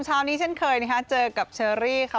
เช้านี้เช่นเคยนะคะเจอกับเชอรี่ค่ะ